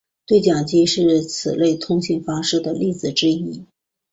对讲机是此类通信方式的例子之一。